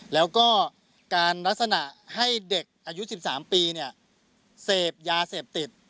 แล้วก็การลักษณะให้เด็กอายุ๑๓ปีเสพยาเสพติด